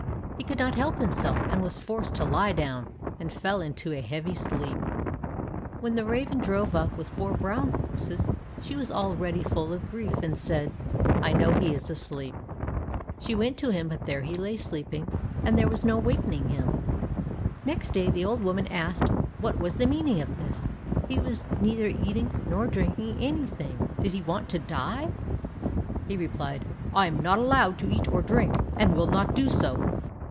He could not help himself, and was forced to lie down, and fell into a heavy sleep. When the raven drove up with four brown horses, she was already full of grief, and said, "I know he is asleep." She went to him, but there he lay sleeping, and there was no wakening him. Next day the old woman asked what was the meaning of this? He was neither eating nor drinking anything; did he want to die? He replied, "I am not allowed to eat or drink, and will not do so."